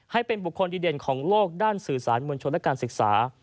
ให้เป็นบุคคลดีเด่นของโลกด้านสื่อสารมวลชนและการศึกษา